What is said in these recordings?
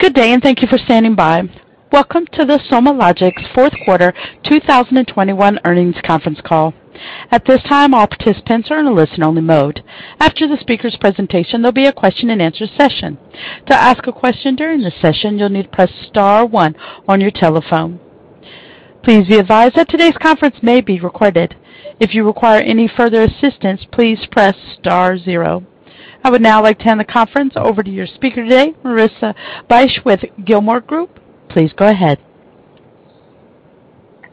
Good day and thank you for standing by. Welcome to the SomaLogic's Fourth Quarter 2021 Earnings Conference Call. At this time, all participants are in a listen-only mode. After the speaker's presentation, there'll be a question-and-answer session. To ask a question during the session, you'll need to press star one on your telephone. Please be advised that today's conference may be recorded. If you require any further assistance, please press star zero. I would now like to hand the conference over to your speaker today, Marissa Bych with Gilmartin Group. Please go ahead.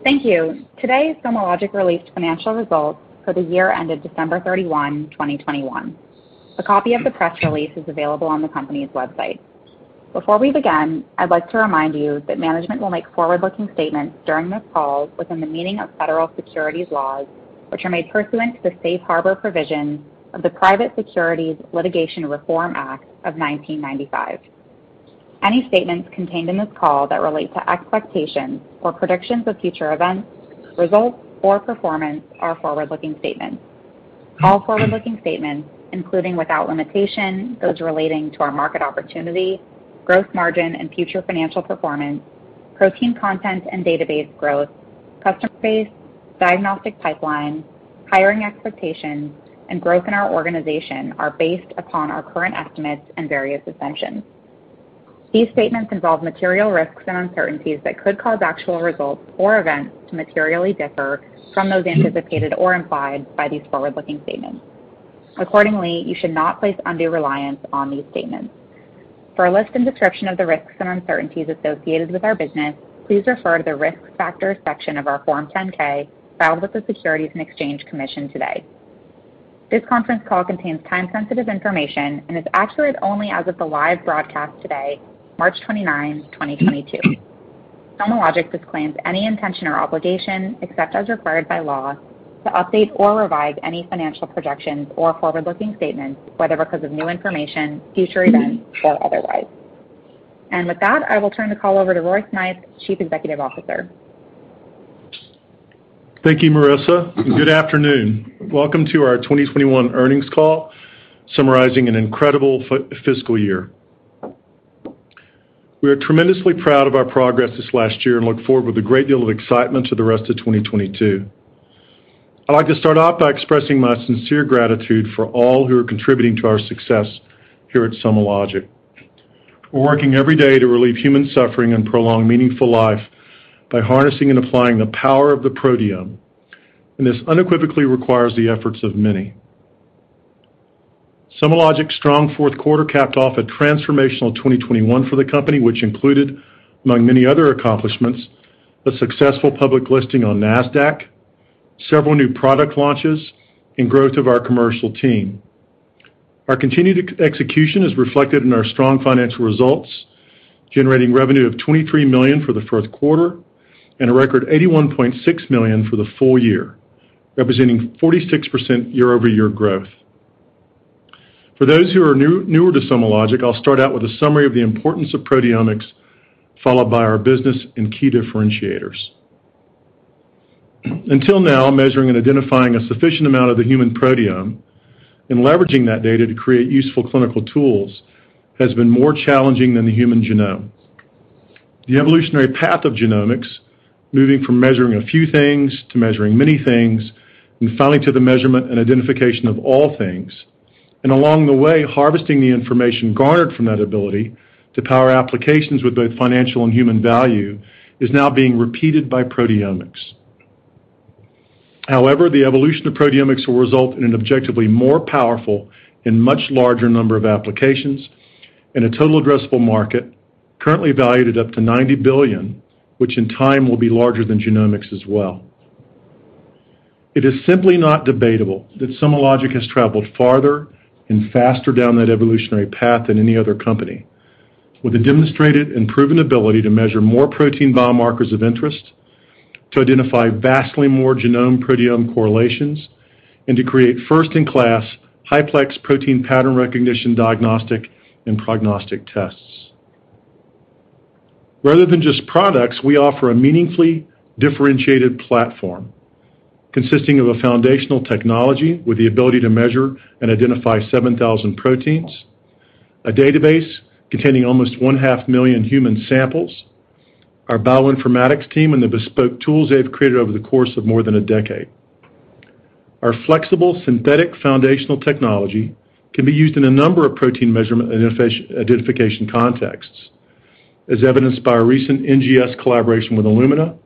Thank you. Today, SomaLogic released financial results for the year ended December 31, 2021. A copy of the press release is available on the company's website. Before we begin, I'd like to remind you that management will make forward-looking statements during this call within the meaning of Federal securities laws, which are made pursuant to the Safe Harbor provision of the Private Securities Litigation Reform Act of 1995. Any statements contained in this call that relate to expectations or predictions of future events, results, or performance are forward-looking statements. All forward-looking statements, including without limitation, those relating to our market opportunity, growth margin, and future financial performance, protein content and database growth, customer base, diagnostic pipeline, hiring expectations, and growth in our organization, are based upon our current estimates and various assumptions. These statements involve material risks and uncertainties that could cause actual results or events to materially differ from those anticipated or implied by these forward-looking statements. Accordingly, you should not place undue reliance on these statements. For a list and description of the risks and uncertainties associated with our business, please refer to the Risk Factors section of our Form 10-K filed with the Securities and Exchange Commission today. This conference call contains time-sensitive information and is accurate only as of the live broadcast today, March 29, 2022. SomaLogic disclaims any intention or obligation, except as required by law, to update or revise any financial projections or forward-looking statements whether because of new information, future events, or otherwise. With that, I will turn the call over to Roy Smythe; Chief Executive Officer. Thank you, Marissa. Good afternoon. Welcome to our 2021 earnings call summarizing an incredible fiscal year. We are tremendously proud of our progress this last year and look forward with a great deal of excitement to the rest of 2022. I'd like to start off by expressing my sincere gratitude for all who are contributing to our success here at SomaLogic. We're working every day to relieve human suffering and prolong meaningful life by harnessing and applying the power of the proteome, and this unequivocally requires the efforts of many. SomaLogic's strong fourth quarter capped off a transformational 2021 for the company which included, among many other accomplishments, a successful public listing on Nasdaq, several new product launches, and growth of our commercial team. Our continued execution is reflected in our strong financial results, generating revenue of $23 million for the fourth quarter and a record $81.6 million for the full year, representing 46% year-over-year growth. For those who are new, newer to SomaLogic, I'll start out with a summary of the importance of proteomics followed by our business and key differentiators. Until now, measuring and identifying a sufficient amount of the human proteome and leveraging that data to create useful clinical tools has been more challenging than the human genome. The evolutionary path of genomics, moving from measuring a few things to measuring many things, and finally to the measurement and identification of all things, and along the way, harvesting the information garnered from that ability to power applications with both financial and human value, is now being repeated by proteomics. However, the evolution of proteomics will result in an objectively more powerful and much larger number of applications and a total addressable market currently valued at up to $90 billion which in time will be larger than genomics as well. It is simply not debatable that SomaLogic has traveled farther and faster down that evolutionary path than any other company with a demonstrated and proven ability to measure more protein biomarkers of interest, to identify vastly more genome proteome correlations, and to create first-in-class high-plex protein pattern recognition, diagnostic, and prognostic tests. Rather than just products, we offer a meaningfully differentiated platform consisting of a foundational technology with the ability to measure and identify 7,000 proteins, a database containing almost 500,000 human samples, our bioinformatics team and the bespoke tools they've created over the course of more than a decade. Our flexible synthetic foundational technology can be used in a number of protein measurement and identification contexts, as evidenced by our recent NGS collaboration with Illumina,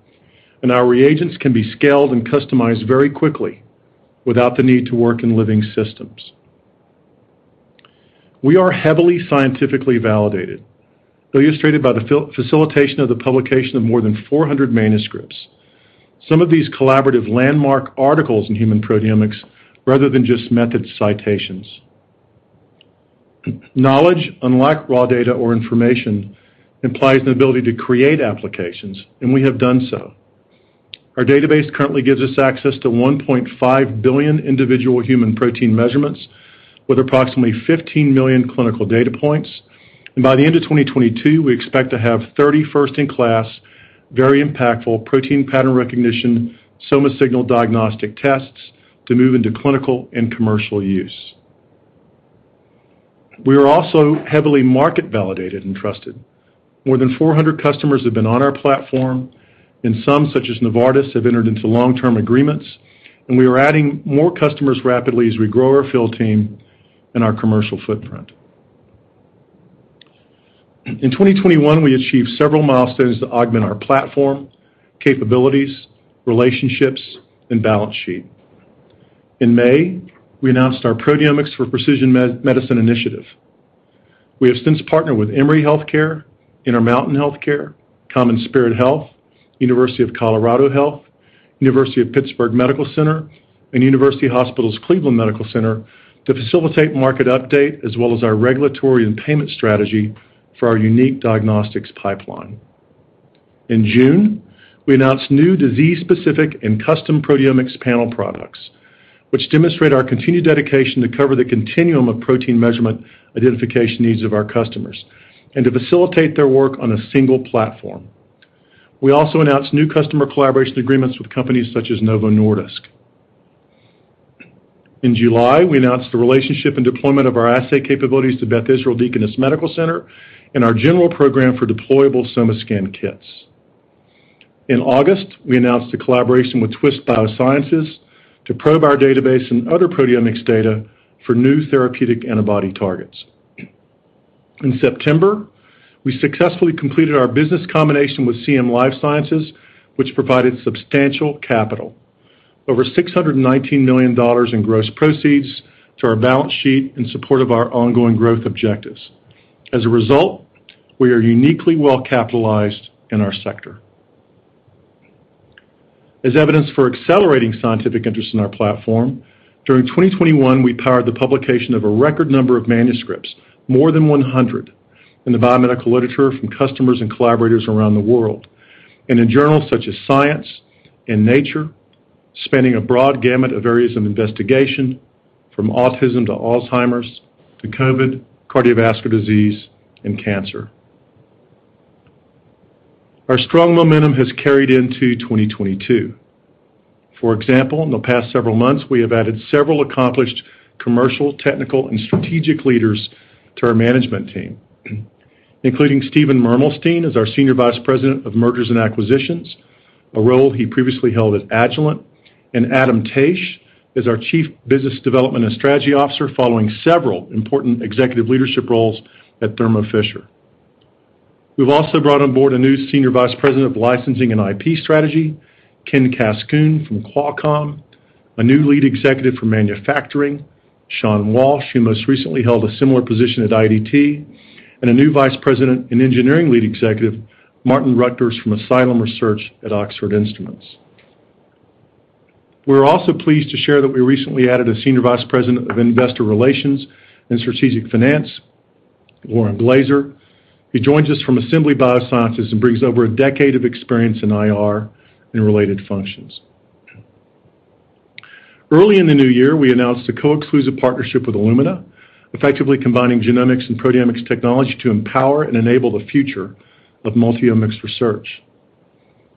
and our reagents can be scaled and customized very quickly without the need to work in living systems. We are heavily scientifically validated, illustrated by the facilitation of the publication of more than 400 manuscripts, some of these collaborative landmark articles in human proteomics rather than just method citations. Knowledge, unlike raw data or information, implies an ability to create applications, and we have done so. Our database currently gives us access to 1.5 billion individual human protein measurements with approximately 15 million clinical data points. By the end of 2022, we expect to have 30 first-in-class, very impactful protein pattern recognition SomaSignal diagnostic tests to move into clinical and commercial use. We are also heavily market validated and trusted. More than 400 customers have been on our platform, and some, such as Novartis, have entered into long-term agreements, and we are adding more customers rapidly as we grow our field team and our commercial footprint. In 2021, we achieved several milestones to augment our platform, capabilities, relationships, and balance sheet. In May, we announced our Proteomics for Precision Medicine Initiative. We have since partnered with Emory Healthcare, Intermountain Healthcare, CommonSpirit Health, University of Colorado Health, University of Pittsburgh Medical Center, and University Hospitals Cleveland Medical Center to facilitate market uptake, as well as our regulatory and payment strategy for our unique diagnostics pipeline. In June, we announced new disease specific and custom proteomics panel products which demonstrate our continued dedication to cover the continuum of protein measurement identification needs of our customers and to facilitate their work on a single platform. We also announced new customer collaboration agreements with companies such as Novo Nordisk. In July, we announced the relationship and deployment of our assay capabilities to Beth Israel Deaconess Medical Center and our general program for deployable SomaScan kits. In August, we announced a collaboration with Twist Bioscience to probe our database and other proteomics data for new therapeutic antibody targets. In September, we successfully completed our business combination with CM Life Sciences, which provided substantial capital over $619 million in gross proceeds to our balance sheet in support of our ongoing growth objectives. As a result, we are uniquely well capitalized in our sector. As evidence for accelerating scientific interest in our platform, during 2021, we powered the publication of a record number of manuscripts, more than 100 in the biomedical literature from customers and collaborators around the world, and in journals such as Science and Nature, spanning a broad gamut of areas of investigation, from autism to Alzheimer's to COVID, cardiovascular disease and cancer. Our strong momentum has carried into 2022. For example, in the past several months, we have added several accomplished commercial, technical, and strategic leaders to our management team, including Steven Mermelstein as our Senior Vice President of mergers and acquisitions, a role he previously held at Agilent, and Adam Taich as our Chief Business Development and Strategy Officer, following several important executive leadership roles at Thermo Fisher. We've also brought on board a new Senior Vice President of Licensing and IP Strategy, Ken Kaskoun from Qualcomm, a new Lead Executive for Manufacturing, Shawn Walsh, who most recently held a similar position at IDT, and a new Vice President and Engineering Lead Executive, Maarten Rutgers from Asylum Research at Oxford Instruments. We're also pleased to share that we recently added a Senior Vice President of Investor Relations and Strategic Finance, Lauren Glaser, who joins us from Assembly Biosciences and brings over a decade of experience in IR and related functions. Early in the new year, we announced a co-exclusive partnership with Illumina, effectively combining genomics and proteomics technology to empower and enable the future of multi-omics research.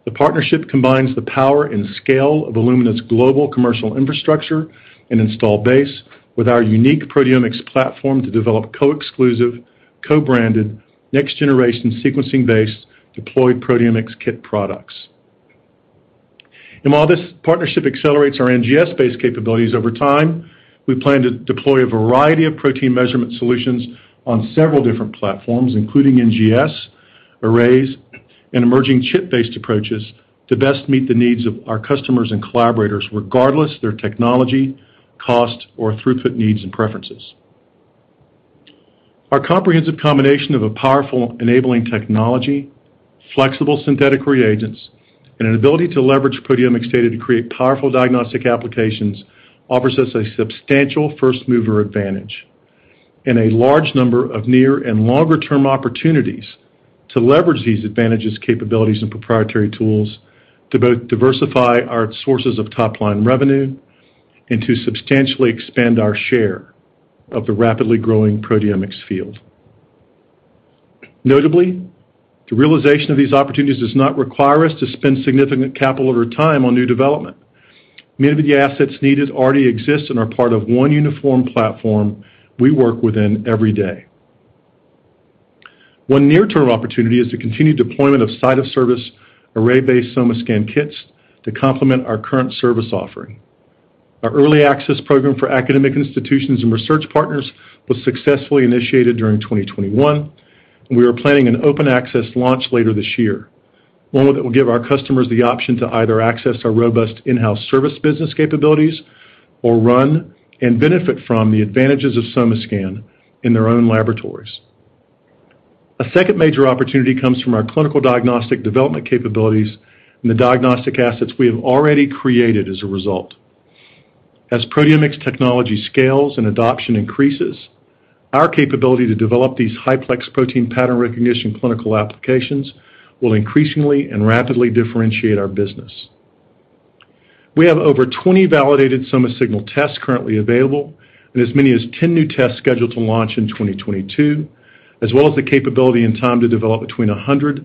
The partnership combines the power and scale of Illumina's global commercial infrastructure and install base with our unique proteomics platform to develop co-exclusive, co-branded, next generation sequencing-based deployed proteomics kit products. While this partnership accelerates our NGS-based capabilities over time, we plan to deploy a variety of protein measurement solutions on several different platforms, including NGS, arrays, and emerging chip-based approaches to best meet the needs of our customers and collaborators, regardless their technology, cost, or throughput needs and preferences. Our comprehensive combination of a powerful enabling technology, flexible synthetic reagents, and an ability to leverage proteomics data to create powerful diagnostic applications offers us a substantial first-mover advantage and a large number of near and longer term opportunities to leverage these advantages, capabilities, and proprietary tools to both diversify our sources of top line revenue and to substantially expand our share of the rapidly growing proteomics field. Notably, the realization of these opportunities does not require us to spend significant capital over time on new development. Many of the assets needed already exist and are part of one uniform platform we work within every day. One near-term opportunity is the continued deployment of site of service array-based SomaScan kits to complement our current service offering. Our early access program for academic institutions and research partners was successfully initiated during 2021, and we are planning an open access launch later this year, one that will give our customers the option to either access our robust in-house service business capabilities or run and benefit from the advantages of SomaScan in their own laboratories. A second major opportunity comes from our clinical diagnostic development capabilities and the diagnostic assets we have already created as a result. As proteomics technology scales and adoption increases, our capability to develop these high-plex protein pattern recognition clinical applications will increasingly and rapidly differentiate our business. We have over 20 validated SomaSignal tests currently available and as many as 10 new tests scheduled to launch in 2022, as well as the capability and time to develop between 80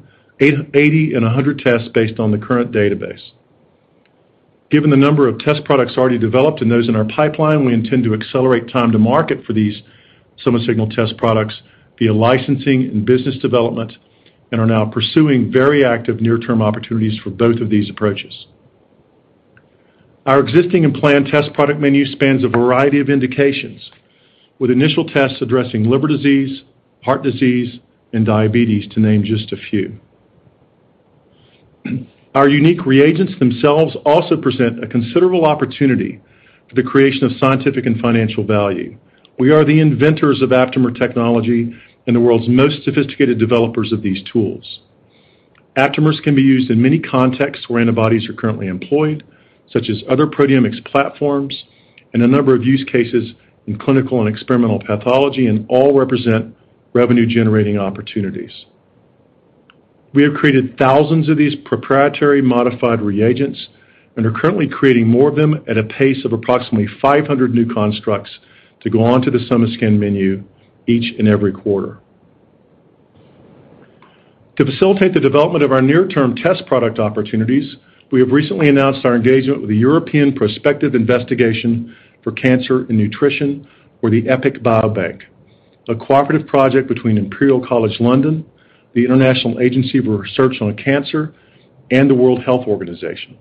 and 100 tests based on the current database. Given the number of test products already developed and those in our pipeline, we intend to accelerate time to market for these SomaSignal test products via licensing and business development and are now pursuing very active near-term opportunities for both of these approaches. Our existing and planned test product menu spans a variety of indications, with initial tests addressing liver disease, heart disease, and diabetes, to name just a few. Our unique reagents themselves also present a considerable opportunity for the creation of scientific and financial value. We are the inventors of aptamer technology and the world's most sophisticated developers of these tools. Aptamers can be used in many contexts where antibodies are currently employed, such as other proteomics platforms and a number of use cases in clinical and experimental pathology, and all represent revenue-generating opportunities. We have created thousands of these proprietary modified reagents and are currently creating more of them at a pace of approximately 500 new constructs to go onto the SomaScan menu each and every quarter. To facilitate the development of our near-term test product opportunities, we have recently announced our engagement with the European Prospective Investigation for Cancer and Nutrition, or the EPIC Biobank, a cooperative project between Imperial College London, the International Agency for Research on Cancer and the World Health Organization.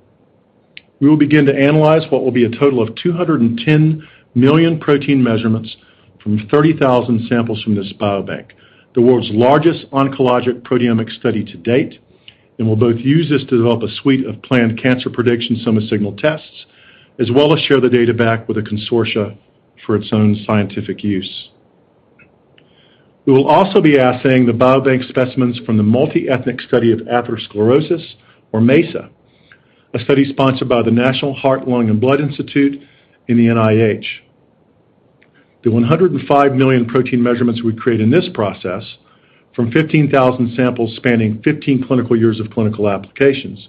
We will begin to analyze what will be a total of 210 million protein measurements from 30,000 samples from this biobank, the world's largest oncologic proteomic study to date, and we'll both use this to develop a suite of planned cancer prediction SomaSignal tests, as well as share the data back with a consortium for its own scientific use. We will also be assaying the biobank specimens from the Multi-Ethnic Study of Atherosclerosis, or MESA, a study sponsored by the National Heart, Lung, and Blood Institute and the NIH. The 105 million protein measurements we create in this process from 15,000 samples spanning 15 clinical years of clinical applications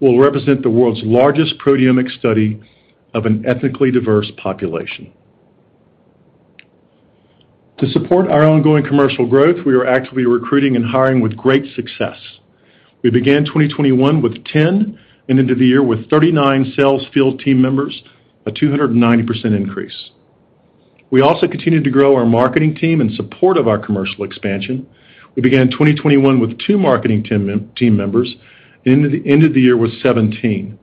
will represent the world's largest proteomic study of an ethnically diverse population. To support our ongoing commercial growth, we are actively recruiting and hiring with great success. We began 2021 with 10 and ended the year with 39 sales field team members, a 290% increase. We also continued to grow our marketing team in support of our commercial expansion. We began 2021 with two marketing team members and ended the year with 17,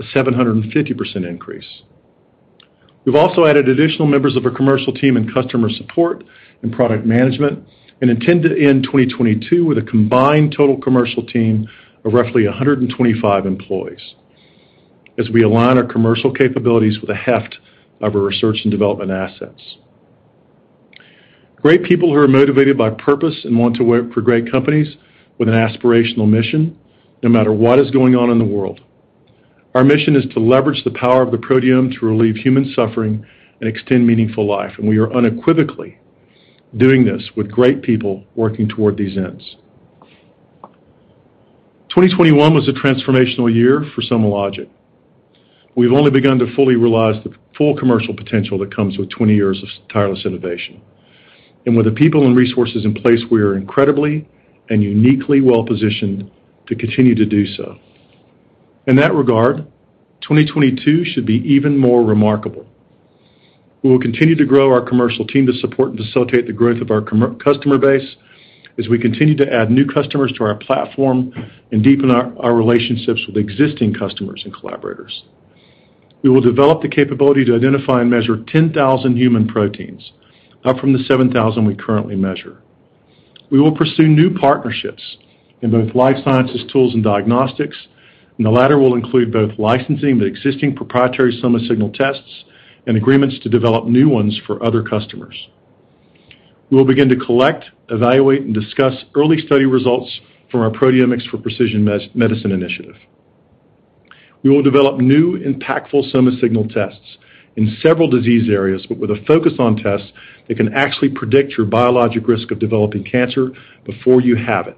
a 750% increase. We've also added additional members of our commercial team in customer support and product management and intend to end 2022 with a combined total commercial team of roughly 125 employees as we align our commercial capabilities with the heft of our research and development assets. Great people who are motivated by purpose and want to work for great companies with an aspirational mission, no matter what is going on in the world. Our mission is to leverage the power of the proteome to relieve human suffering and extend meaningful life and we are unequivocally doing this with great people working toward these ends, 2021 was a transformational year for SomaLogic. We've only begun to fully realize the full commercial potential that comes with 20 years of tireless innovation. With the people and resources in place, we are incredibly and uniquely well-positioned to continue to do so. In that regard, 2022 should be even more remarkable. We will continue to grow our commercial team to support and facilitate the growth of our customer base as we continue to add new customers to our platform and deepen our relationships with existing customers and collaborators. We will develop the capability to identify and measure 10,000 human proteins, up from the 7,000 we currently measure. We will pursue new partnerships in both life sciences tools and diagnostics, and the latter will include both licensing the existing proprietary SomaSignal tests and agreements to develop new ones for other customers. We will begin to collect, evaluate, and discuss early study results from our proteomics for precision medicine initiative. We will develop new impactful SomaSignal tests in several disease areas but with a focus on tests that can actually predict your biologic risk of developing cancer before you have it,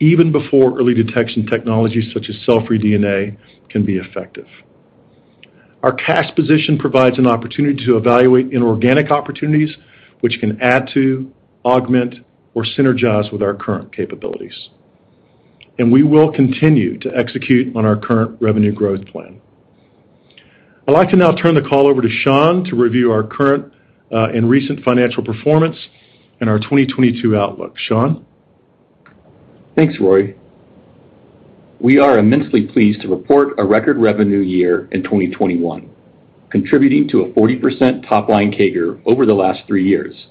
even before early detection technologies such as cell-free DNA can be effective. Our cash position provides an opportunity to evaluate inorganic opportunities which can add to, augment, or synergize with our current capabilities. We will continue to execute on our current revenue growth plan. I'd like to now turn the call over to Shaun to review our current and recent financial performance and our 2022 outlook. Shaun? Thanks, Roy. We are immensely pleased to report a record revenue year in 2021, contributing to a 40% top-line CAGR over the last three years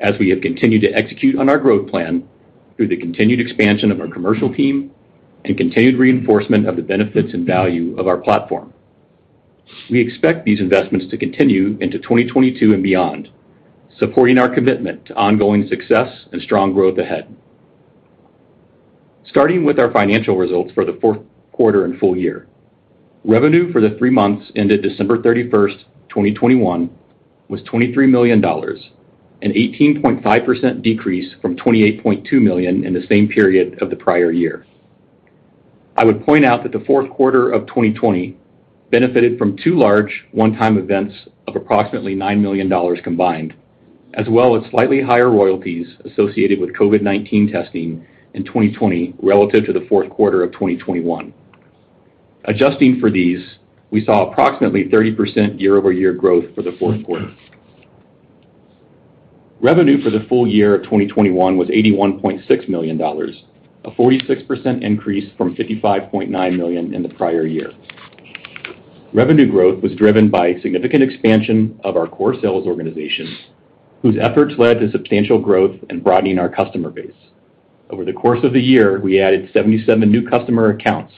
as we have continued to execute on our growth plan through the continued expansion of our commercial team and continued reinforcement of the benefits and value of our platform. We expect these investments to continue into 2022 and beyond, supporting our commitment to ongoing success and strong growth ahead. Starting with our financial results for the fourth quarter and full year. Revenue for the three months ended December 31, 2021 was $23 million, an 18.5% decrease from $28.2 million in the same period of the prior year. I would point out that the fourth quarter of 2020 benefited from two large one-time events of approximately $9 million combined, as well as slightly higher royalties associated with COVID-19 testing in 2020 relative to the fourth quarter of 2021. Adjusting for these, we saw approximately 30% year-over-year growth for the fourth quarter. Revenue for the full year of 2021 was $81.6 million, a 46% increase from $55.9 million in the prior year. Revenue growth was driven by significant expansion of our core sales organization, whose efforts led to substantial growth and broadening our customer base. Over the course of the year, we added 77 new customer accounts,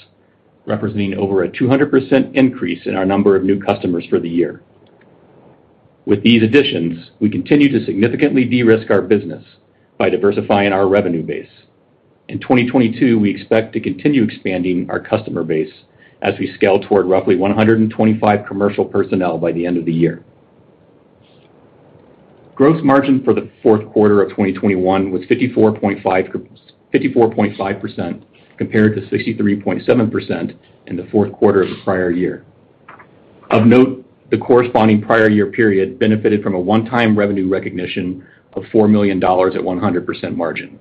representing over a 200% increase in our number of new customers for the year. With these additions, we continue to significantly de-risk our business by diversifying our revenue base. In 2022, we expect to continue expanding our customer base as we scale toward roughly 125 commercial personnel by the end of the year. Gross margin for the fourth quarter of 2021 was 54.5% compared to 63.7% in the fourth quarter of the prior year. Of note, the corresponding prior year period benefited from a one-time revenue recognition of $4 million at 100% margin.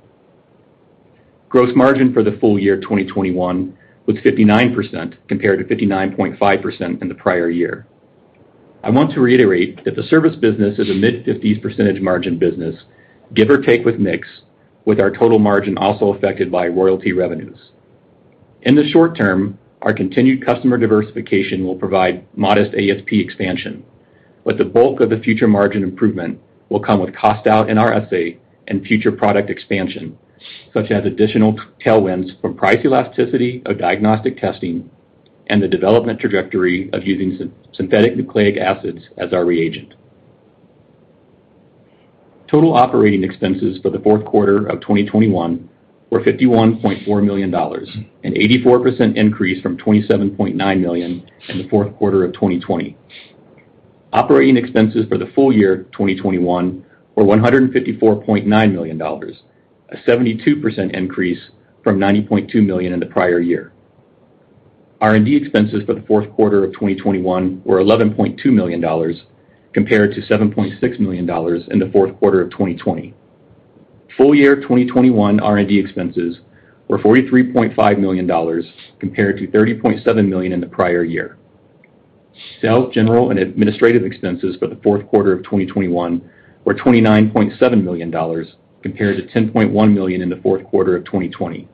Gross margin for the full year 2021 was 59% compared to 59.5% in the prior year. I want to reiterate that the service business is a mid-50s percent margin business, give or take with mix, with our total margin also affected by royalty revenues. In the short term, our continued customer diversification will provide modest ASP expansion, but the bulk of the future margin improvement will come with cost out in our assay and future product expansion, such as additional tailwinds from price elasticity of diagnostic testing and the development trajectory of using synthetic nucleic acids as our reagent. Total operating expenses for the fourth quarter of 2021 were $51.4 million, an 84% increase from $27.9 million in the fourth quarter of 2020. Operating expenses for the full year 2021 were $154.9 million, a 72% increase from $90.2 million in the prior year. R&D expenses for the fourth quarter of 2021 were $11.2 million compared to $7.6 million in the fourth quarter of 2020. Full year 2021 R&D expenses were $43.5 million compared to $30.7 million in the prior year. Sales, general, and administrative expenses for the fourth quarter of 2021 were $29.7 million compared to $10.1 million in the fourth quarter of 2020.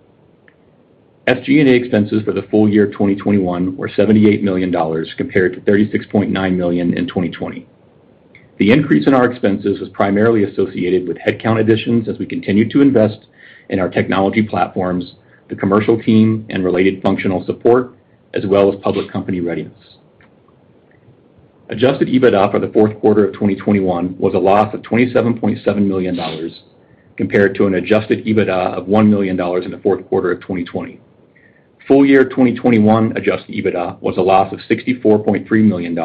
SG&A expenses for the full year 2021 were $78 million compared to $36.9 million in 2020. The increase in our expenses was primarily associated with headcount additions as we continue to invest in our technology platforms, the commercial team, and related functional support, as well as public company readiness. Adjusted EBITDA for the fourth quarter of 2021 was a loss of $27.7 million compared to an adjusted EBITDA of $1 million in the fourth quarter of 2020. Full year 2021 adjusted EBITDA was a loss of $64.3 million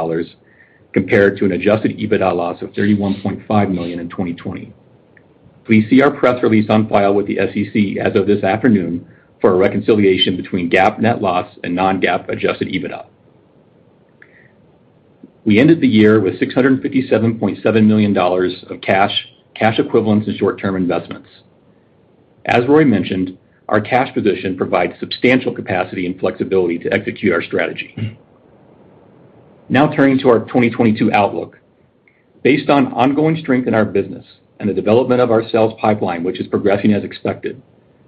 compared to an adjusted EBITDA loss of $31.5 million in 2020. Please see our press release on file with the SEC as of this afternoon for a reconciliation between GAAP net loss and non-GAAP adjusted EBITDA. We ended the year with $657.7 million of cash equivalents and short-term investments. As Roy mentioned, our cash position provides substantial capacity and flexibility to execute our strategy. Now turning to our 2022 outlook. Based on ongoing strength in our business and the development of our sales pipeline, which is progressing as expected,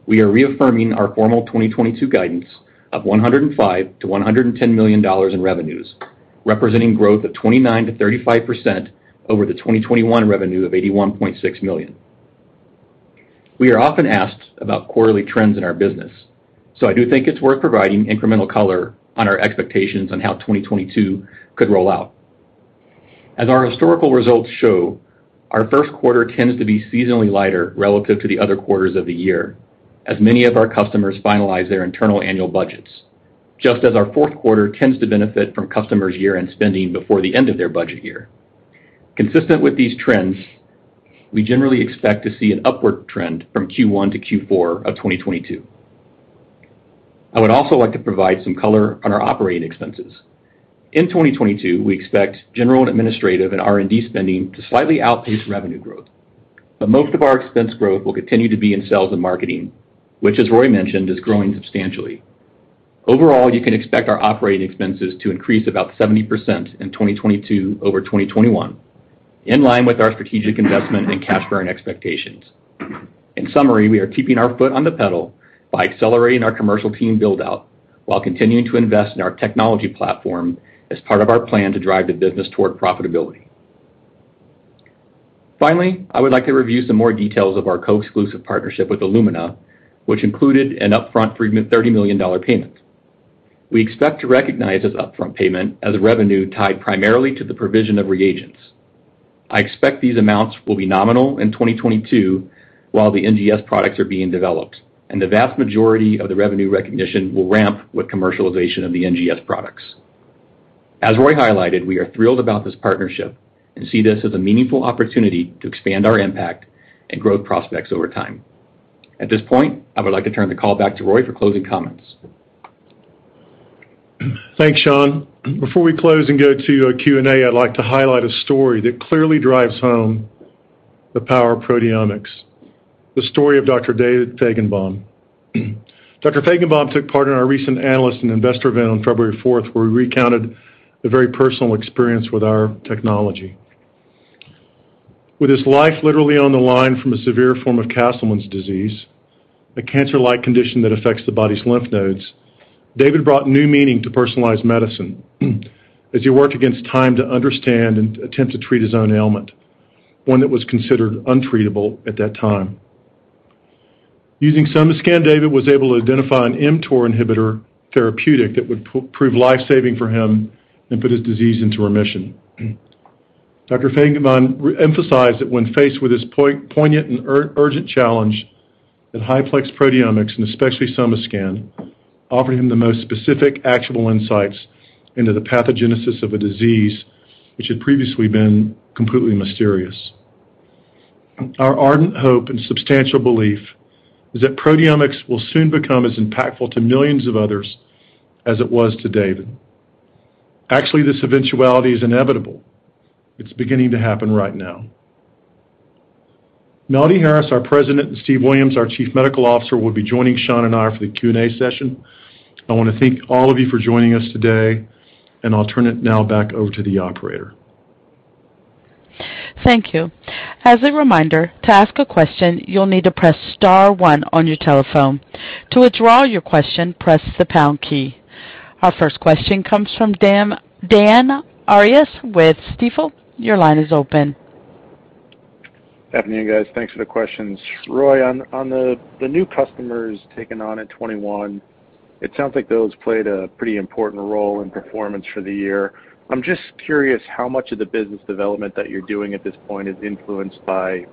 we are reaffirming our formal 2022 guidance of $105 million-$110 million in revenues, representing growth of 29%-35% over the 2021 revenue of $81.6 million. We are often asked about quarterly trends in our business, so I do think it's worth providing incremental color on our expectations on how 2022 could roll out. As our historical results show, our first quarter tends to be seasonally lighter relative to the other quarters of the year, as many of our customers finalize their internal annual budgets. Just as our fourth quarter tends to benefit from customers' year-end spending before the end of their budget year. Consistent with these trends, we generally expect to see an upward trend from Q1 to Q4 of 2022. I would also like to provide some color on our operating expenses. In 2022, we expect general and administrative and R&D spending to slightly outpace revenue growth. Most of our expense growth will continue to be in sales and marketing, which as Roy mentioned, is growing substantially. Overall, you can expect our operating expenses to increase about 70% in 2022 over 2021, in line with our strategic investment and cash burn expectations. In summary, we are keeping our foot on the pedal by accelerating our commercial team build-out while continuing to invest in our technology platform as part of our plan to drive the business toward profitability. Finally, I would like to review some more details of our co-exclusive partnership with Illumina, which included an upfront $30 million payment. We expect to recognize this upfront payment as revenue tied primarily to the provision of reagents. I expect these amounts will be nominal in 2022 while the NGS products are being developed and the vast majority of the revenue recognition will ramp with commercialization of the NGS products. As Roy highlighted, we are thrilled about this partnership and see this as a meaningful opportunity to expand our impact and growth prospects over time. At this point, I would like to turn the call back to Roy for closing comments. Thanks, Shaun. Before we close and go to our Q&A, I'd like to highlight a story that clearly drives home the power of proteomics, the story of Dr. David Fajgenbaum. Dr. Fajgenbaum took part in our recent analyst and investor event on February fourth, where he recounted a very personal experience with our technology. With his life literally on the line from a severe form of Castleman disease, a cancer-like condition that affects the body's lymph nodes, David brought new meaning to personalized medicine as he worked against time to understand and attempt to treat his own ailment, one that was considered untreatable at that time. Using SomaScan, David was able to identify an mTOR inhibitor therapeutic that would prove life-saving for him and put his disease into remission. Dr. Fajgenbaum re-emphasized that when faced with this poignant and urgent challenge that high-plex proteomics, and especially SomaScan, offered him the most specific, actionable insights into the pathogenesis of a disease which had previously been completely mysterious. Our ardent hope and substantial belief is that proteomics will soon become as impactful to millions of others as it was to David. Actually, this eventuality is inevitable. It's beginning to happen right now. Melody Harris, our President, and Steve Williams, our Chief Medical Officer, will be joining Shaun and I for the Q&A session. I wanna thank all of you for joining us today, and I'll turn it now back over to the operator. Thank you. As a reminder, to ask a question, you'll need to press star one on your telephone. To withdraw your question, press the pound key. Our first question comes from Dan Arias with Stifel. Your line is open. Good afternoon, guys. Thanks for the questions. Roy, on the new customers taken on at 2021, it sounds like those played a pretty important role in performance for the year. I'm just curious how much of the business development that you're doing at this point is influenced by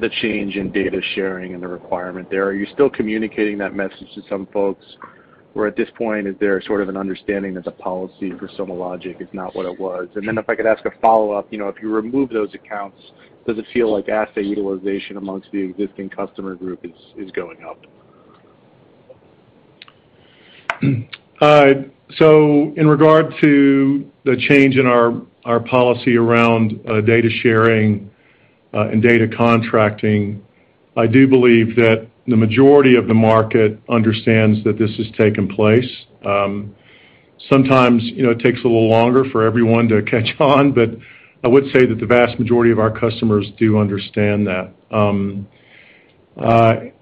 the change in data sharing and the requirement there. Are you still communicating that message to some folks? Or at this point, is there sort of an understanding that the policy for SomaLogic is not what it was? If I could ask a follow-up, you know, if you remove those accounts, does it feel like assay utilization amongst the existing customer group is going up? In regard to the change in our policy around data sharing and data contracting, I do believe that the majority of the market understands that this has taken place. Sometimes, you know, it takes a little longer for everyone to catch on, but I would say that the vast majority of our customers do understand that. Can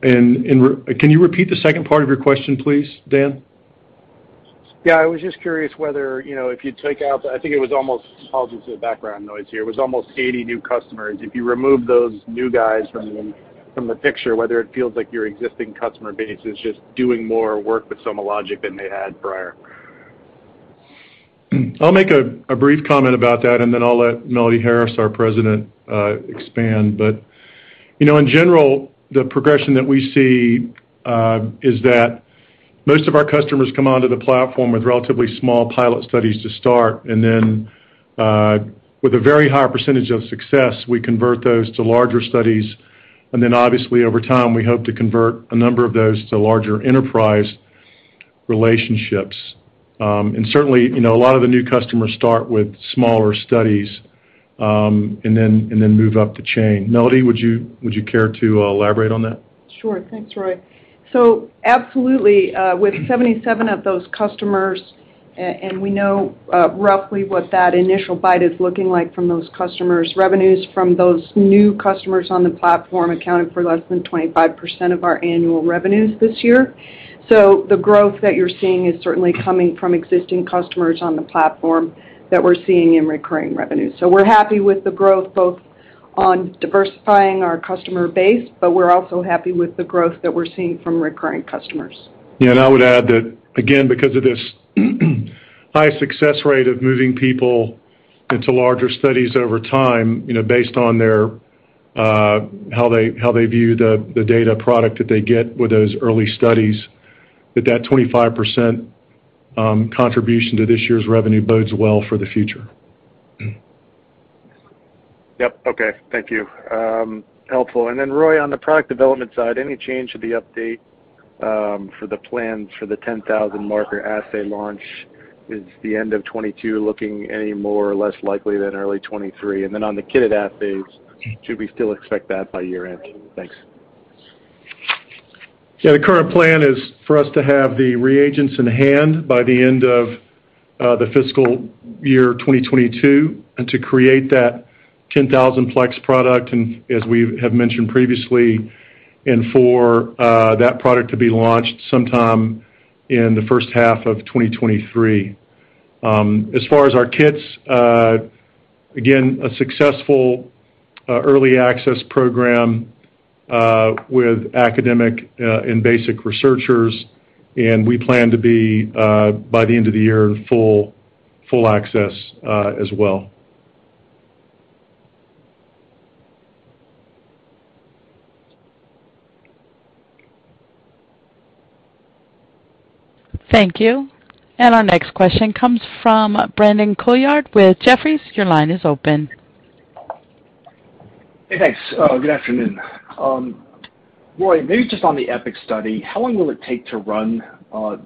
you repeat the second part of your question, please, Dan? Yeah, I was just curious whether, you know, if you take out, I think it was almost 80 new customers. Apologies for the background noise here. If you remove those new guys from the picture, whether it feels like your existing customer base is just doing more work with SomaLogic than they had prior. I'll make a brief comment about that and then I'll let Melody Harris, our President, expand. You know, in general, the progression that we see is that most of our customers come onto the platform with relatively small pilot studies to start. With a very high percentage of success, we convert those to larger studies. Obviously, over time, we hope to convert a number of those to larger enterprise relationships. Certainly, you know, a lot of the new customers start with smaller studies and then move up the chain. Melody, would you care to elaborate on that? Sure. Thanks, Roy. Absolutely, with 77 of those customers and we know, roughly what that initial bite is looking like from those customers, revenues from those new customers on the platform accounted for less than 25% of our annual revenues this year. The growth that you're seeing is certainly coming from existing customers on the platform that we're seeing in recurring revenues. We're happy with the growth both on diversifying our customer base but we're also happy with the growth that we're seeing from recurring customers. Yeah, I would add that, again, because of this high success rate of moving people into larger studies over time, you know, based on their how they view the data product that they get with those early studies, that 25% contribution to this year's revenue bodes well for the future. Yep. Okay. Thank you. Helpful. Roy, on the product development side, any change to the update for the plans for the 10,000 marker assay launch? Is the end of 2022 looking any more or less likely than early 2023? On the kitted assays, should we still expect that by year-end? Thanks. Yeah, the current plan is for us to have the reagents in hand by the end of the fiscal year 2022 and to create that 10,000-plex product and as we have mentioned previously, and for that product to be launched sometime in the first half of 2023. As far as our kits, again, a successful early access program with academic and basic researchers and we plan to be by the end of the year in full access as well. Thank you. Our next question comes from Brandon Couillard with Jefferies. Your line is open. Hey, thanks. Good afternoon. Roy, maybe just on the EPIC study, how long will it take to run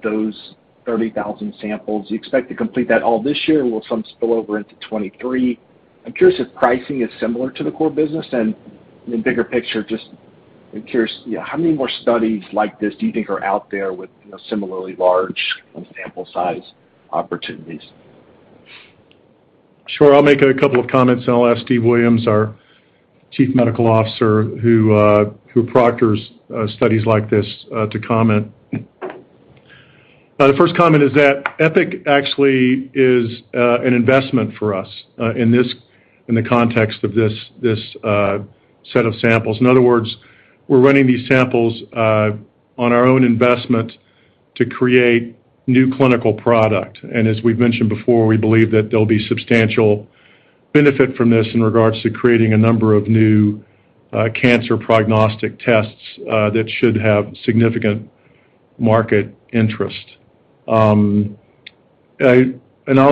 those 30,000 samples? Do you expect to complete that all this year, or will some spill over into 2023? I'm curious if pricing is similar to the core business. In bigger picture, just I'm curious, you know, how many more studies like this do you think are out there with, you know, similarly large sample size opportunities? Sure. I'll make a couple of comments and I'll ask Steve Williams, our Chief Medical Officer, who proctors studies like this, to comment. The first comment is that EPIC actually is an investment for us in the context of this set of samples. In other words, we're running these samples on our own investment to create new clinical product. As we've mentioned before, we believe that there'll be substantial benefit from this in regards to creating a number of new cancer prognostic tests that should have significant market interest. I'll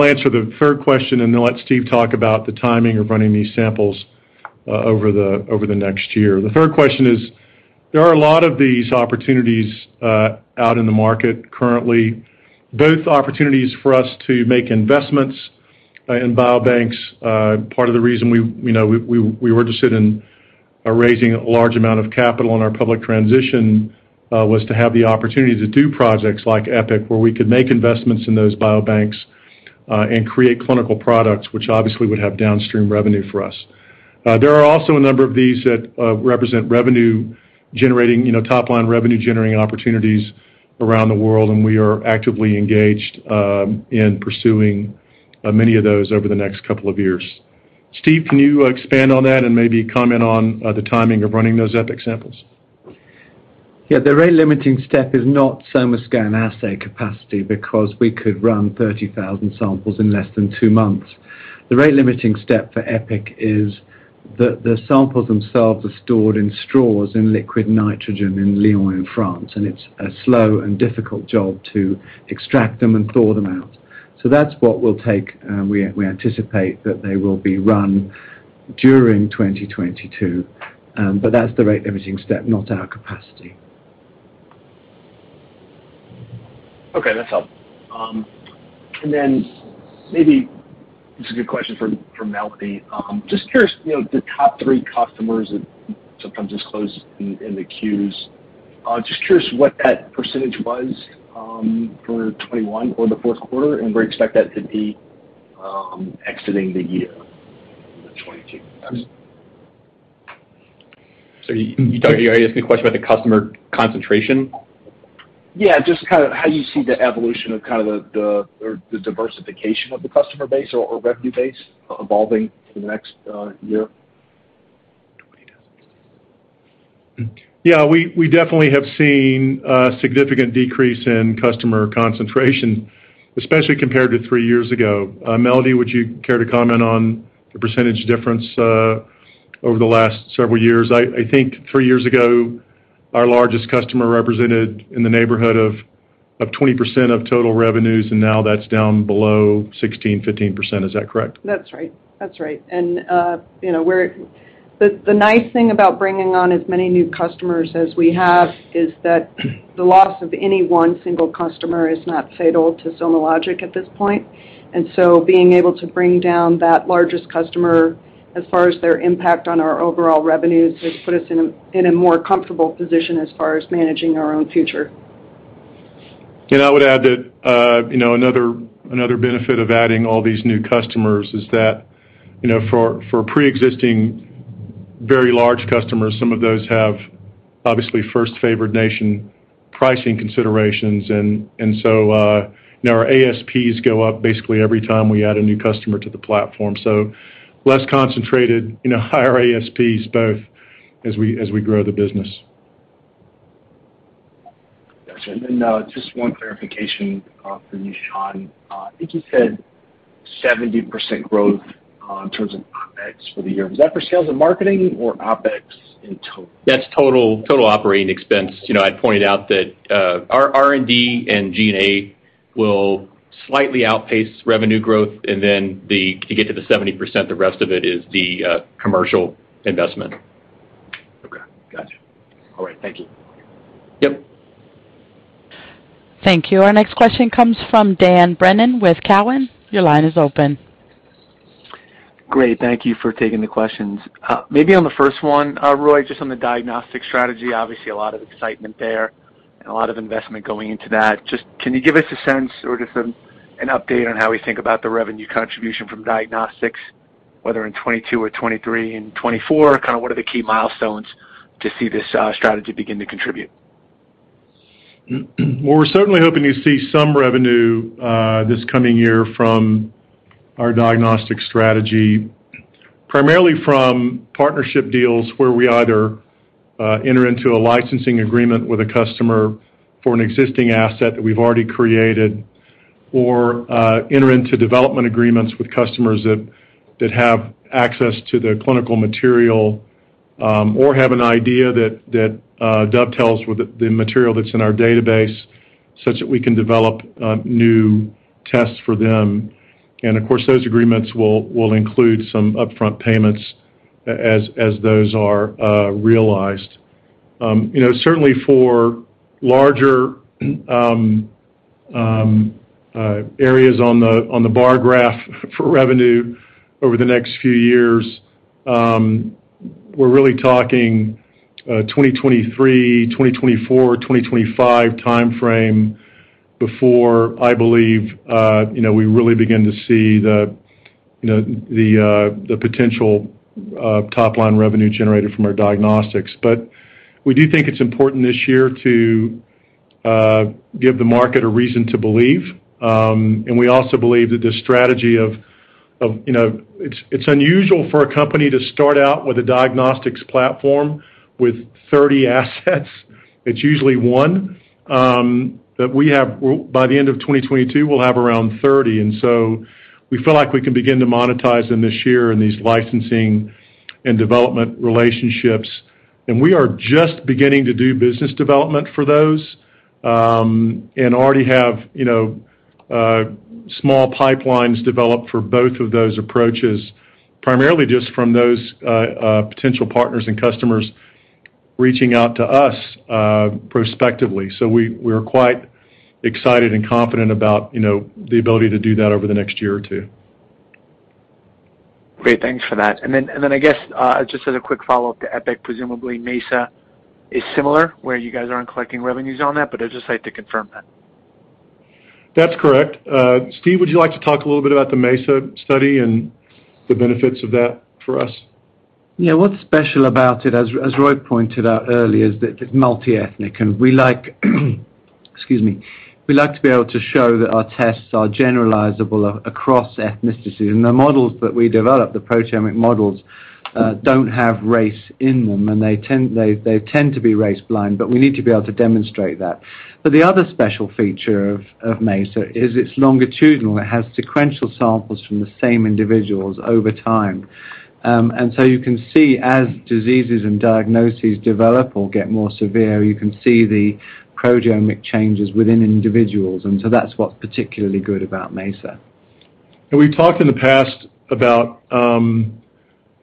answer the third question and then let Steve talk about the timing of running these samples over the next year. The third question is, there are a lot of these opportunities out in the market currently, both opportunities for us to make investments in biobanks. Part of the reason you know, we were interested in raising a large amount of capital in our public transition was to have the opportunity to do projects like EPIC, where we could make investments in those biobanks and create clinical products, which obviously would have downstream revenue for us. There are also a number of these that represent revenue generating, you know, top-line revenue generating opportunities around the world, and we are actively engaged in pursuing many of those over the next couple of years. Steve, can you expand on that and maybe comment on the timing of running those EPIC samples? Yeah. The rate limiting step is not SomaScan assay capacity because we could run 30,000 samples in less than two months. The rate limiting step for EPIC is the samples themselves are stored in straws in liquid nitrogen in Lyon, in France, and it's a slow and difficult job to extract them and thaw them out. That's what we'll take. We anticipate that they will be run during 2022. That's the rate limiting step, not our capacity. Okay, that's all. Maybe this is a good question for Melody. Just curious, you know, the top three customers that sometimes disclose in the Q's, just curious what that percentage was, for 2021 or the fourth quarter, and where you expect that to be, exiting the year in 2022? Sorry, can you repeat your question about the customer concentration? Yeah, just kind of how you see the evolution of kind of, or the diversification of the customer base or revenue base evolving in the next year? Yeah, we definitely have seen a significant decrease in customer concentration, especially compared to three years ago. Melody, would you care to comment on the percentage difference over the last several years? I think three years ago, our largest customer represented in the neighborhood of 20% of total revenues and now that's down below 16, 15%. Is that correct? That's right. You know, the nice thing about bringing on as many new customers as we have is that the loss of any one single customer is not fatal to SomaLogic at this point. Being able to bring down that largest customer as far as their impact on our overall revenues has put us in a more comfortable position as far as managing our own future. I would add that, you know, another benefit of adding all these new customers is that, you know, for pre-existing very large customers, some of those have obviously most favored nation pricing considerations. Our ASPs go up basically every time we add a new customer to the platform, less concentrated, you know, higher ASPs both as we grow the business. Got you. Just one clarification for you, Shaun. I think you said 70% growth in terms of OpEx for the year. Was that for sales and marketing or OpEx in total? That's total operating expense. You know, I'd pointed out that our R&D and G&A will slightly outpace revenue growth and then to get to the 70%, the rest of it is the commercial investment. Okay. Got you. All right. Thank you. Yep. Thank you. Our next question comes from Dan Brennan with Cowen. Your line is open. Great. Thank you for taking the questions. Maybe on the first one, Roy, just on the diagnostic strategy, obviously a lot of excitement there and a lot of investment going into that. Just, can you give us a sense or just an update on how we think about the revenue contribution from diagnostics, whether in 2022 or 2023 and 2024, kind of what are the key milestones to see this strategy begin to contribute? Well, we're certainly hoping to see some revenue this coming year from our diagnostic strategy, primarily from partnership deals where we either enter into a licensing agreement with a customer for an existing asset that we've already created or enter into development agreements with customers that dovetails with the material that's in our database such that we can develop new tests for them. Of course, those agreements will include some upfront payments as those are realized. You know, certainly for larger areas on the bar graph for revenue over the next few years, we're really talking 2023, 2024, 2025 timeframe before I believe you know we really begin to see the, you know, potential top-line revenue generated from our diagnostics. We do think it's important this year to give the market a reason to believe. We also believe that the strategy of you know it's unusual for a company to start out with a diagnostics platform with 30 assets. It's usually one. By the end of 2022, we'll have around 30. We feel like we can begin to monetize them this year in these licensing and development relationships. We are just beginning to do business development for those, and already have, you know, small pipelines developed for both of those approaches, primarily just from those potential partners and customers reaching out to us prospectively. We're quite excited and confident about, you know, the ability to do that over the next year or two. Great. Thanks for that. I guess just as a quick follow-up to EPIC, presumably MESA is similar where you guys aren't collecting revenues on that but I'd just like to confirm that. That's correct. Steve, would you like to talk a little bit about the MESA study and the benefits of that for us? Yeah. What's special about it, as Roy pointed out earlier, is that it's multi-ethnic and we like to be able to show that our tests are generalizable across ethnicities. The models that we develop, the proteomic models, don't have race in them, and they tend to be race-blind but we need to be able to demonstrate that. The other special feature of MESA is it's longitudinal. It has sequential samples from the same individuals over time. You can see, as diseases and diagnoses develop or get more severe, you can see the proteomic changes within individuals. That's what's particularly good about MESA. We've talked in the past about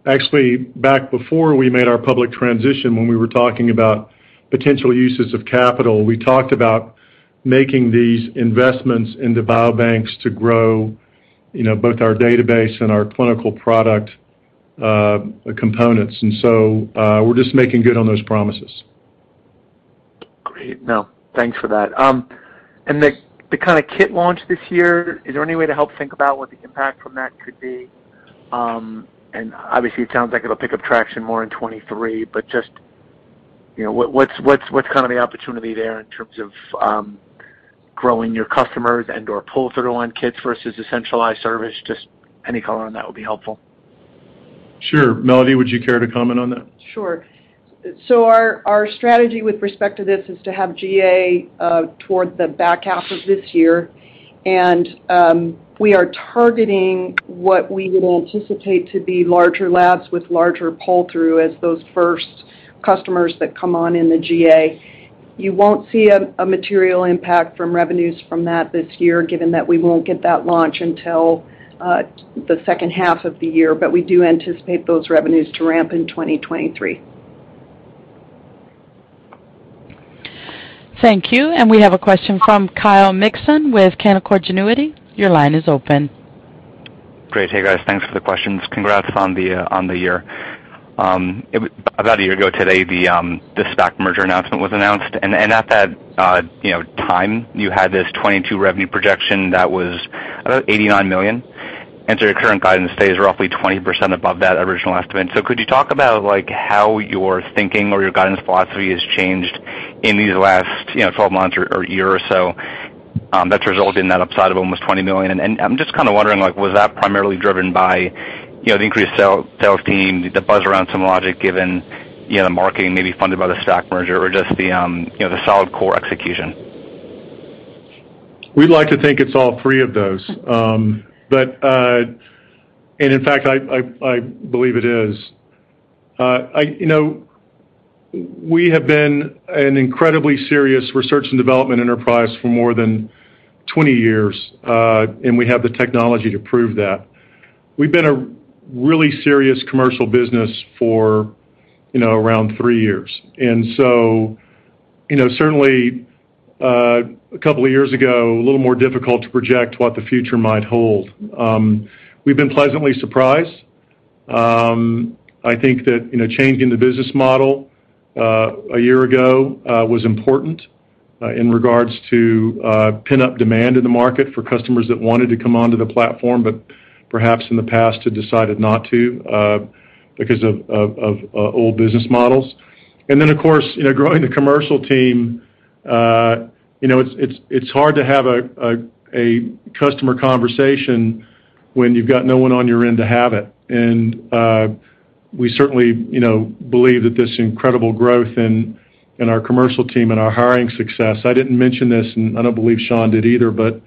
actually back before we made our public transition, when we were talking about potential uses of capital, we talked about making these investments into biobanks to grow, you know, both our database and our clinical product components. We're just making good on those promises. Great. No. Thanks for that. The kind of kit launch this year, is there any way to help think about what the impact from that could be? Obviously, it sounds like it'll pick up traction more in 2023, but just, you know, what's kind of the opportunity there in terms of growing your customers and/or pull-through on kits versus a centralized service? Just any color on that would be helpful. Sure. Melody, would you care to comment on that? Sure. Our strategy with respect to this is to have GA toward the back half of this year. We are targeting what we would anticipate to be larger labs with larger pull-through as those first customers that come on in the GA. You won't see a material impact from revenues from that this year, given that we won't get that launch until the second half of the year but we do anticipate those revenues to ramp in 2023. Thank you. We have a question from Kyle Mikson with Canaccord Genuity. Your line is open. Great. Hey, guys, thanks for the questions. Congrats on the year. About a year ago today, the stock merger announcement was announced. At that, you know, time, you had this 2022 revenue projection that was about $89 million. Your current guidance stays roughly 20% above that original estimate. Could you talk about, like, how your thinking or your guidance philosophy has changed in these last 12 months or year or so, that's resulted in that upside of almost $20 million? I'm just kind of wondering, like, was that primarily driven by, you know, the increased sales team, the buzz around SomaLogic, given, you know, the marketing may be funded by the stock merger or just the, you know, the solid core execution? We'd like to think it's all three of those. In fact, I believe it is. You know, we have been an incredibly serious research and development enterprise for more than 20 years, and we have the technology to prove that. We've been a really serious commercial business for, you know, around three years. You know, certainly, a couple of years ago, it was a little more difficult to project what the future might hold. We've been pleasantly surprised, I think that, you know, changing the business model a year ago was important in regards to pent-up demand in the market for customers that wanted to come onto the platform but perhaps in the past had decided not to because of old business models. Of course, you know, growing the commercial team, you know, it's hard to have a customer conversation when you've got no one on your end to have it. We certainly, you know, believe that this incredible growth in our commercial team and our hiring success. I didn't mention this and I don't believe Shaun did either but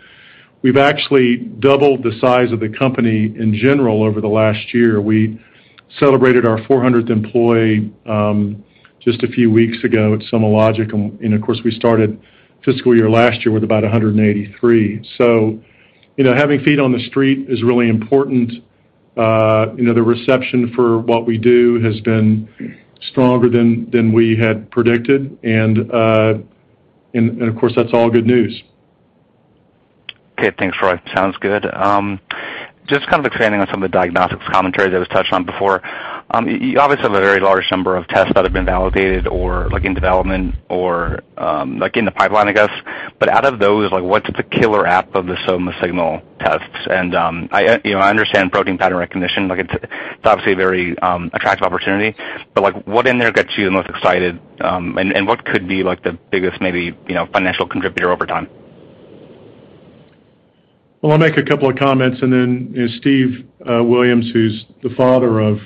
we've actually doubled the size of the company in general over the last year. We celebrated our 400th employee just a few weeks ago at SomaLogic. Of course, we started fiscal year last year with about 183. You know, having feet on the street is really important. You know, the reception for what we do has been stronger than we had predicted. Of course, that's all good news. Okay. Thanks, Roy. Sounds good. Just kind of expanding on some of the diagnostics commentary that was touched on before. You obviously have a very large number of tests that have been validated or like in development or, like, in the pipeline, I guess. But out of those, like, what's the killer app of the SomaSignal tests? And, I, you know, I understand protein pattern recognition. Like, it's obviously a very attractive opportunity. But, like, what in there gets you the most excited? And what could be, like, the biggest, maybe, you know, financial contributor over time? Well, I'll make a couple of comments and then Steve Williams, who's the father of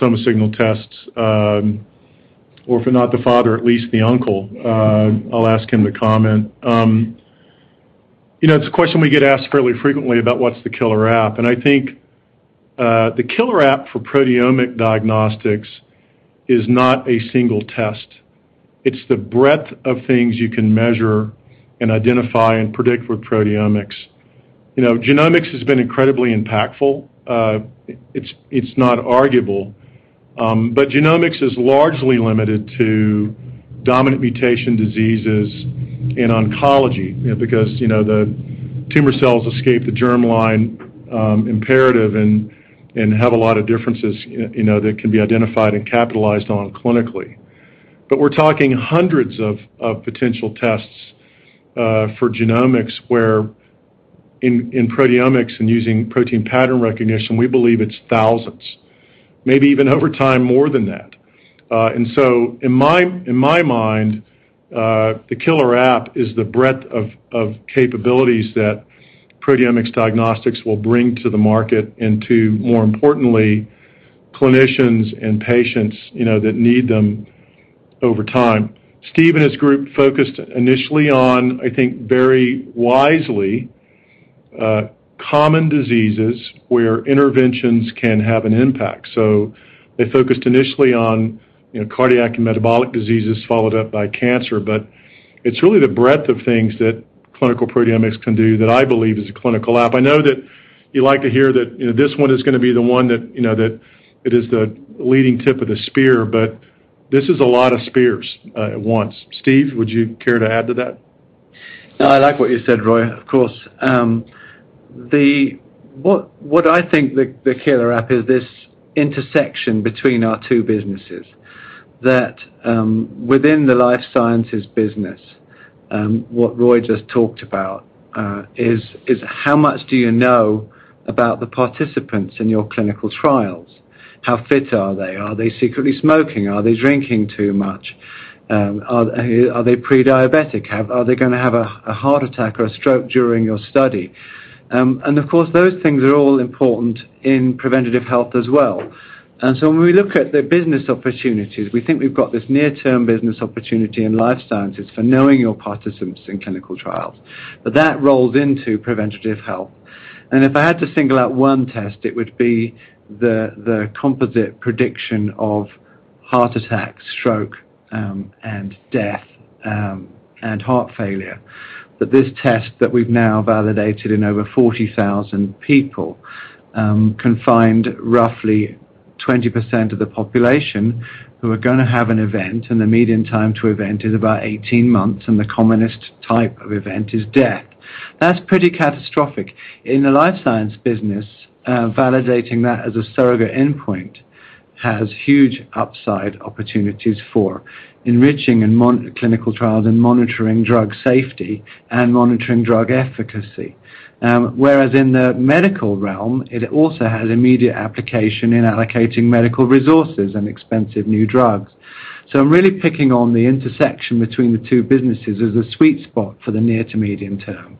SomaSignal tests, or if not the father, at least the uncle, I'll ask him to comment. You know, it's a question we get asked fairly frequently about what's the killer app. I think the killer app for proteomic diagnostics is not a single test. It's the breadth of things you can measure and identify and predict with proteomics. You know, genomics has been incredibly impactful. It's not arguable. Genomics is largely limited to dominant mutation diseases in oncology because you know, the tumor cells escape the germline imperative and have a lot of differences you know, that can be identified and capitalized on clinically. We're talking hundreds of potential tests for genomics, whereas in proteomics and using protein pattern recognition, we believe it's thousands, maybe even over time, more than that. In my mind, the killer app is the breadth of capabilities that proteomics diagnostics will bring to the market and, more importantly, clinicians and patients, you know, that need them over time. Steve and his group focused initially on, I think, very wisely, common diseases where interventions can have an impact. They focused initially on, you know, cardiac and metabolic diseases, followed up by cancer. It's really the breadth of things that clinical proteomics can do that I believe is the killer app. I know that you like to hear that, you know, this one is gonna be the one that, you know, that it is the leading tip of the spear, but this is a lot of spears at once. Steve, would you care to add to that? No, I like what you said, Roy, of course. What I think the killer app is this intersection between our two businesses. That, within the life sciences business, what Roy just talked about is how much do you know about the participants in your clinical trials? How fit are they? Are they secretly smoking? Are they drinking too much? Are they pre-diabetic? Are they gonna have a heart attack or a stroke during your study? Of course, those things are all important in preventative health as well. When we look at the business opportunities, we think we've got this near-term business opportunity in life sciences for knowing your participants in clinical trials. That rolls into preventative health. If I had to single out one test, it would be the composite prediction of heart attack, stroke, and death, and heart failure. This test that we've now validated in over 40,000 people can find roughly 20% of the population who are gonna have an event and the median time to event is about 18 months and the commonest type of event is death that's pretty catastrophic. In the life science business, validating that as a surrogate endpoint has huge upside opportunities for enriching and monitoring clinical trials and monitoring drug safety and monitoring drug efficacy. Whereas in the medical realm, it also has immediate application in allocating medical resources and expensive new drugs. I'm really picking on the intersection between the two businesses as a sweet spot for the near to medium term.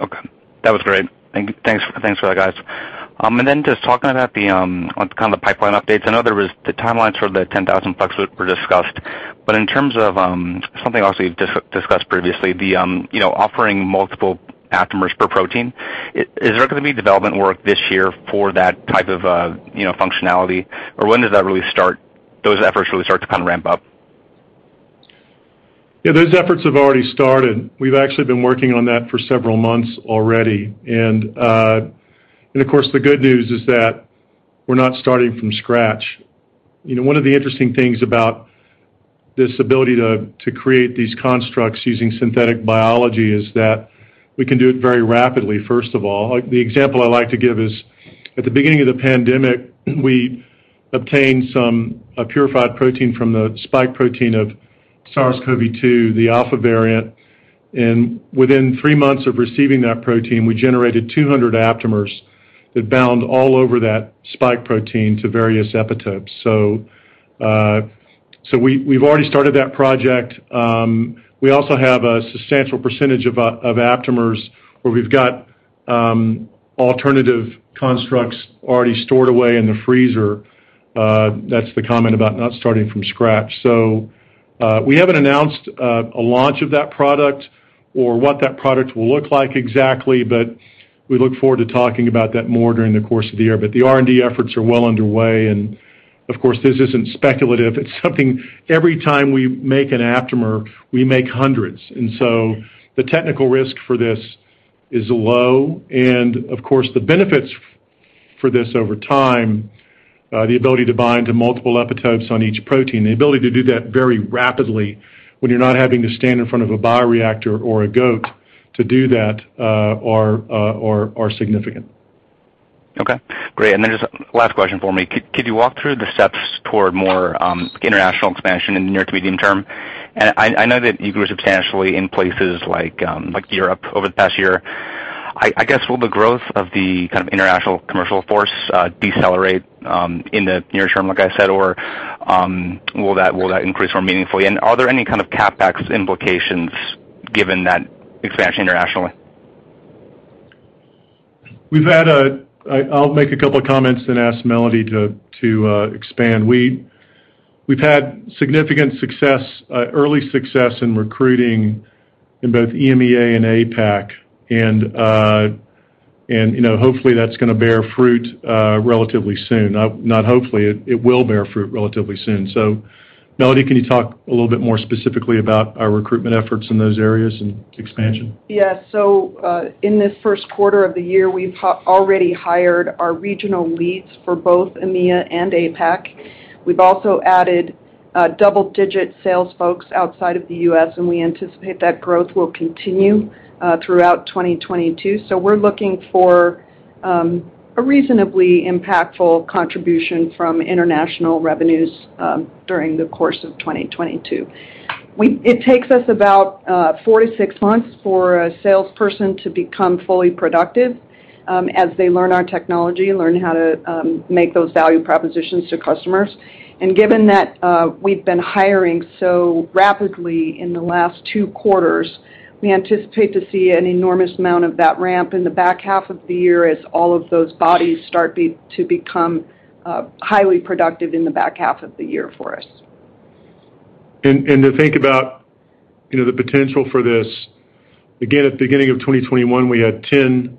Okay, that was great. Thanks for that, guys. Just talking about the kind of the pipeline updates. I know there was the timelines for the 10,000-plex were discussed, but in terms of something else we've discussed previously, you know, offering multiple aptamers per protein. Is there gonna be development work this year for that type of, you know, functionality? Or when does that really start, those efforts really start to kind of ramp up? Yeah, those efforts have already started. We've actually been working on that for several months already. Of course, the good news is that we're not starting from scratch. You know, one of the interesting things about this ability to create these constructs using synthetic biology is that we can do it very rapidly, first of all. Like, the example I like to give is, at the beginning of the pandemic, we obtained a purified protein from the spike protein of SARS-CoV-2, the Alpha variant, and within three months of receiving that protein, we generated 200 aptamers that bound all over that spike protein to various epitopes. We've already started that project. We also have a substantial percentage of aptamers where we've got alternative constructs already stored away in the freezer, that's the comment about not starting from scratch. We haven't announced a launch of that product or what that product will look like exactly, but we look forward to talking about that more during the course of the year. The R&D efforts are well underway and of course, this isn't speculative. It's something every time we make an aptamer, we make hundreds. The technical risk for this is low. Of course, the benefits for this over time, the ability to bind to multiple epitopes on each protein, the ability to do that very rapidly when you're not having to stand in front of a bioreactor or a goat to do that, are significant. Okay, great. Just last question for me. Could you walk through the steps toward more international expansion in the near to medium term? I know that you grew substantially in places like like Europe over the past year. I guess will the growth of the kind of international commercial force decelerate in the near term, like I said, or will that increase more meaningfully? Are there any kind of CapEx implications given that expansion internationally? I'll make a couple of comments and ask Melody to expand. We've had significant success, early success in recruiting in both EMEA and APAC. You know, hopefully that's gonna bear fruit relatively soon. Not hopefully, it will bear fruit relatively soon. Melody, can you talk a little bit more specifically about our recruitment efforts in those areas and expansion? Yeah. In this first quarter of the year, we've already hired our regional leads for both EMEA and APAC. We've also added double-digit sales folks outside of the U.S., and we anticipate that growth will continue throughout 2022. We're looking for a reasonably impactful contribution from international revenues during the course of 2022. It takes us about four-six months for a salesperson to become fully productive as they learn our technology and learn how to make those value propositions to customers. Given that, we've been hiring so rapidly in the last two quarters, we anticipate to see an enormous amount of that ramp in the back half of the year as all of those bodies start to become highly productive in the back half of the year for us. To think about the potential for this, again, at beginning of 2021, we had 10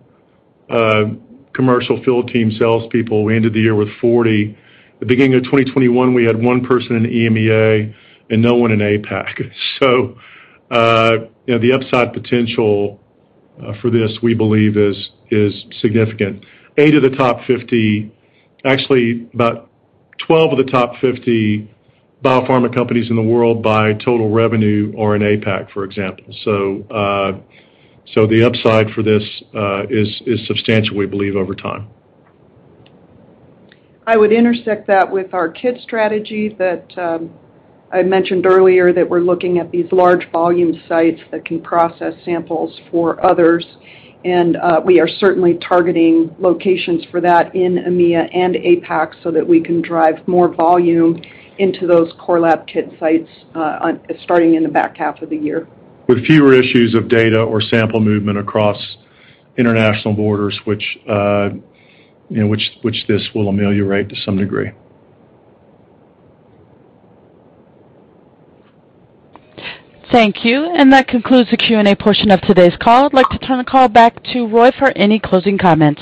commercial field team salespeople, we ended the year with 40. At beginning of 2021, we had one person in EMEA and no one in APAC. You know, the upside potential for this, we believe is significant, eight of the top 50. Actually, about 12 of the top 50 pharma companies in the world by total revenue are in APAC, for example. The upside for this is substantial, we believe, over time. I would intersect that with our kit strategy that I mentioned earlier that we're looking at these large volume sites that can process samples for others. We are certainly targeting locations for that in EMEA and APAC so that we can drive more volume into those core lab kit sites, starting in the back half of the year. With fewer issues of data or sample movement across international borders, which, you know, this will ameliorate to some degree. Thank you. That concludes the Q&A portion of today's call. I'd like to turn the call back to Roy for any closing comments.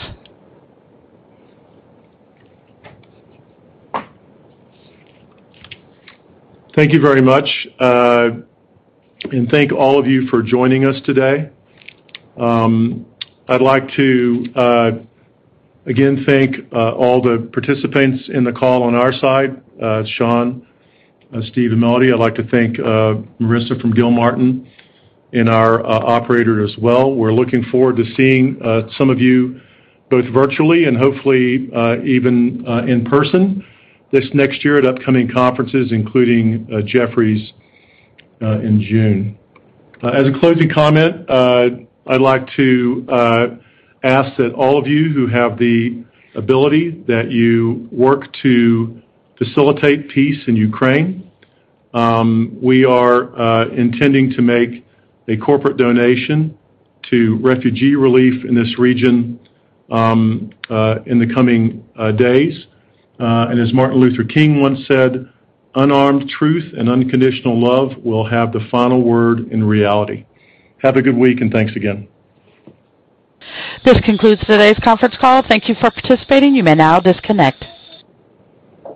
Thank you very much. Thank all of you for joining us today. I'd like to again thank all the participants in the call on our side, Shaun, Steve, and Melody. I'd like to thank Marissa from Gilmartin and our operator as well. We're looking forward to seeing some of you both virtually and hopefully even in person this next year at upcoming conferences, including Jefferies in June. As a closing comment, I'd like to ask that all of you who have the ability that you work to facilitate peace in Ukraine. We are intending to make a corporate donation to refugee relief in this region in the coming days. As Martin Luther King once said, "Unarmed truth and unconditional love will have the final word in reality." Have a good week and thanks again. This concludes today's conference call. Thank you for participating. You may now disconnect.